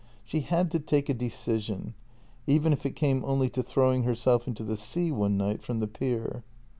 She had to take a decision — even if it came only to throwing herself into the sea one night from the pier.